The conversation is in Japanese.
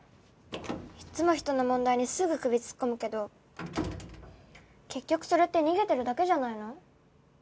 いっつも人の問題にすぐ首突っ込むけど結局それって逃げてるだけじゃないの？